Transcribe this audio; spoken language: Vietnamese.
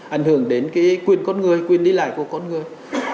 ảnh hưởng đến quyền con người quyền đi lại của con người